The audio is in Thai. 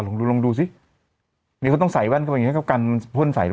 อ่ะลงดูลงดูสินี่เขาต้องใส่แว่นเข้าไปอย่างเงี้ย